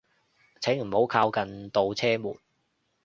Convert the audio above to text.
請唔好靠近度車門